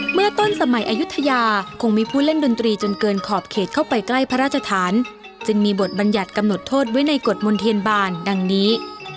เมื่อต้นสมัยอายุทยาคงมีผู้เล่นดนตรีจนเกินขอบเขตเข้าไปใกล้พระราชฐานจึงมีบทบัญญัติกำหนดโทษไว้ในกฎมนเทียนบาลดังนี้